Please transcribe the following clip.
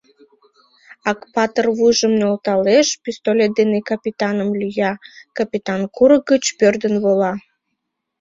Акпатыр вуйжым нӧлталеш, пистолет дене капитаным лӱя, капитан курык гыч пӧрдын вола.